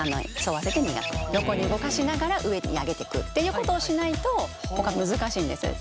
横に動かしながら上に上げてくっていうことをしないと難しいんです。